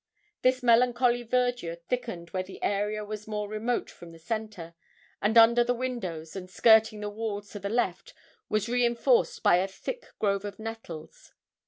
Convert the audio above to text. This melancholy verdure thickened where the area was more remote from the centre; and under the windows, and skirting the walls to the left, was reinforced by a thick grove of nettles.